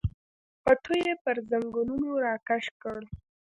پټو یې پر زنګنونو راکش کړ.